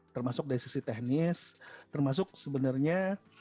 termasuk dari sisi teknis dan lebih berguna dan lebih berguna